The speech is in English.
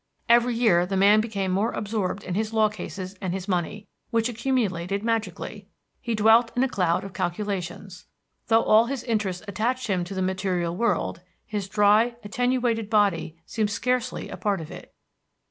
Every year the man became more absorbed in his law cases and his money, which accumulated magically. He dwelt in a cloud of calculations. Though all his interests attached him to the material world, his dry, attenuated body seemed scarcely a part of it.